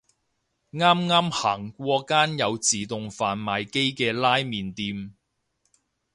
啱啱行過間有自動販賣機嘅拉麵店